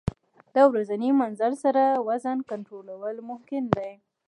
د ورځني مزل سره وزن کنټرول ممکن دی.